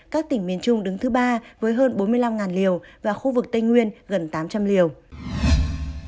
các tỉnh miền trung đứng thứ ba với hơn bốn mươi năm liều và khu vực tây nguyên gần tám trăm linh liều